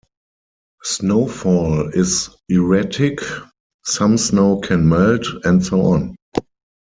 Snowfall is erratic; some snow can melt; and so on.